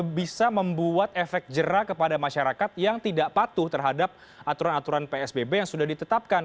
itu bisa membuat efek jerah kepada masyarakat yang tidak patuh terhadap aturan aturan psbb yang sudah ditetapkan